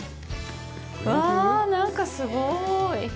うわぁ、なんか、すごい。